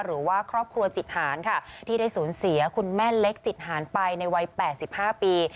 หรือว่าครอบครัวจิตหารค่ะที่ได้สูญเสียคุณแม่เล็กจิตหารไปในวัย๘๕ปี